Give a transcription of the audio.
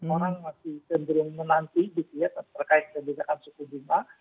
orang masih cenderung menanti di pihak terkait pengembangan siku bunga